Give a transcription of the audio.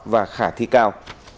và khả thi cao